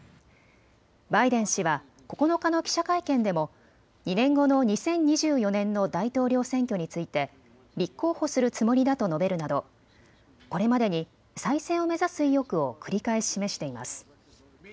バイデン氏は９日の記者会見でも２年後の２０２４年の大統領選挙について立候補するつもりだと述べるなどこれまでに再選を目指す意欲を繰り返し示しています。